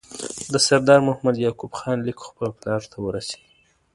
د سردار محمد یعقوب خان لیک خپل پلار ته ورسېد.